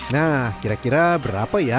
nah kira kira berapa ya